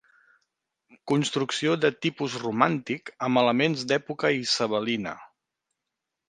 Construcció de tipus romàntic amb elements d'època isabelina.